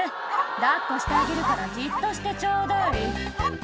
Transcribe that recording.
「抱っこしてあげるからじっとしてちょうだい」